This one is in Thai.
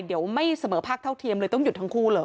เดี๋ยวไม่เสมอภาคเท่าเทียมเลยต้องหยุดทั้งคู่เลย